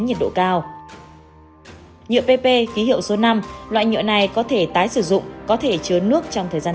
nhiệt độ cao nhựa pp khí hiệu số năm loại nhựa này có thể tái sử dụng có thể chứa nước trong thời gian